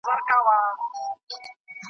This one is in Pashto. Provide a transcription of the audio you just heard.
اخ تر خوله دي سم قربان زويه هوښياره .